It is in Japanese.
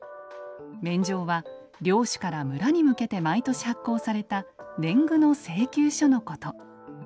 免定は領主から村に向けて毎年発行された年貢の請求書のこと。